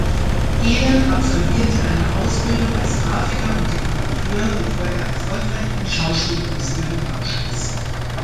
Gehlen absolvierte eine Ausbildung als Grafiker und Dekorateur, bevor er erfolgreich eine Schauspielausbildung abschloss.